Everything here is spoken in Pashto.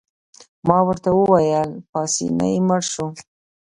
ما ورته وویل: پاسیني مړ شو.